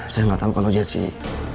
saya gak tahu kalau jessica